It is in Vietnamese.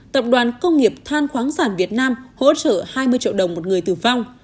tập đoàn công nghiệp than khoáng sản việt nam hỗ trợ hai mươi triệu đồng một người tử vong